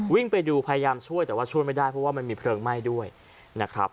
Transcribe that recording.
วิ่งไปดูพยายามช่วยแต่ว่าช่วยไม่ได้เพราะว่ามันมีเพลิงไหม้ด้วยนะครับ